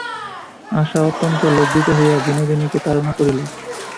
আশা অত্যন্ত লজ্জিত হইয়া বিনোদিনীকে তাড়না করিল।